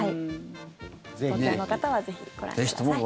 東京の方はぜひご覧ください。